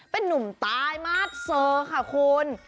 เป็นนุ่มตายมาสเซอร์ค่ะคุณ